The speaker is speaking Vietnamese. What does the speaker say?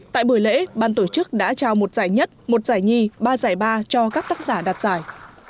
tại buổi lễ ban tổ chức đã trao một giải nhất một giải nhi ba giải ba cho các tác giả đặt giải